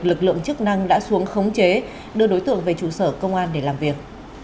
lực lượng chức năng đã xuống khống chế đưa đối tượng về trụ sở công an để làm việc